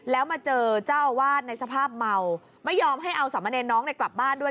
แล้วมาเจอเจ้าอาวาสในสภาพเมาไม่ยอมให้เอาสามเณรน้องกลับบ้านด้วย